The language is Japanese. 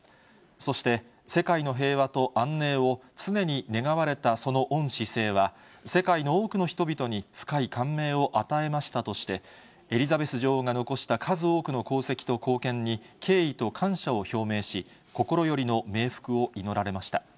そして、世界の平和と安寧を常に願われたその御姿勢は、世界の多くの人々に深い感銘を与えましたとして、エリザベス女王が残した数多くの功績と貢献に、敬意と感謝を表明し、心よりの冥福を祈られました。